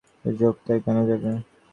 অন্তত সেই যতটুকু যোগ তাই বা কেন যাবে?